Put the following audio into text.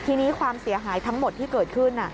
ทีนี้ความเสียหายทั้งหมดที่เกิดขึ้น